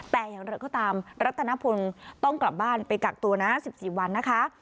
แต่อย่างไรก็ตามรัฐนพลต้องกลับบ้านไปกักตัวนะ๑๔วันนะคะ